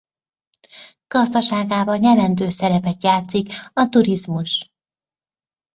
Gazdaságában jelentős szerepet játszik a turizmus.